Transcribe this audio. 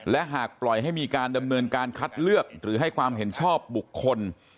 และหากปล่อยให้มีการดำเนินการคัดเลือกหรือให้ความเห็นชอบบุคคล